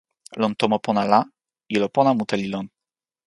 lon tomo pona la, ilo pona mute li lon.